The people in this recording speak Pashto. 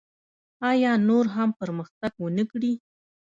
آیا نور هم پرمختګ ونکړي؟